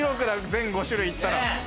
全５種類行ったら。